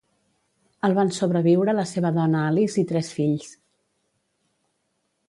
El van sobreviure la seva dona Alice i tres fills.